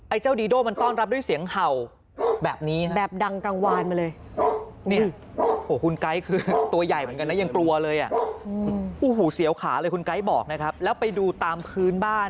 ไอ้เจ้าดีโด่มันต้อนรับด้วยเสียงเห่าแบบนี้ครับ